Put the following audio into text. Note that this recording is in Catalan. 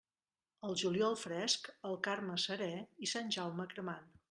El juliol fresc, el Carme serè i Sant Jaume cremant.